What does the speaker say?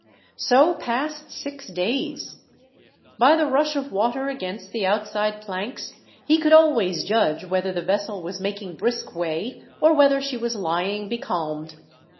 So passed six days. By the rush of water against the outside planks, he could always judge whether the vessel was making brisk way or whether she was lying becalmed.